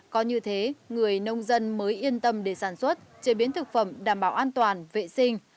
có như thế người nông dân mới yên tâm để sản xuất chế biến thực phẩm đảm bảo an toàn vệ sinh